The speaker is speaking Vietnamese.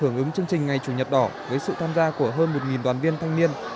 hưởng ứng chương trình ngày chủ nhật đỏ với sự tham gia của hơn một đoàn viên thanh niên